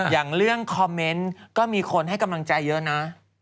อย่างเรื่องคอมเมนต์ก็มีคนให้กำลังใจเยอะนะ